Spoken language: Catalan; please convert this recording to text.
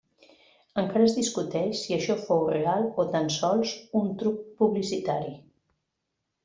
Encara es discuteix si això fou real o tan sols un truc publicitari.